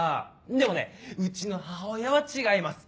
でもねうちの母親は違います。